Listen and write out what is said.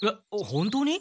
本当に？